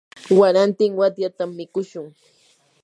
warantin watyatam mikushun.